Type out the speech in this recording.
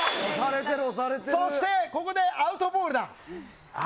そしてここでアウトボールだ。